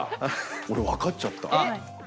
俺分かっちゃった。